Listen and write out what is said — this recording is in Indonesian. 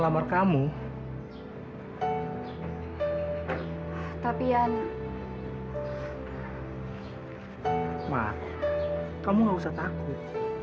mak kamu gak usah takut